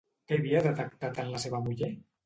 Què havia detectat en la seva muller?